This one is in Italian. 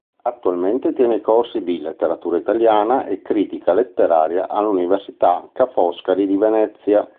Attualmente tiene corsi di letteratura italiana e critica letteraria all'Università Ca' Foscari di Venezia.